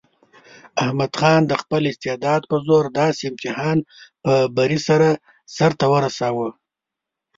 احمد خان د خپل استعداد په زور داسې امتحان په بري سره سرته ورساوه.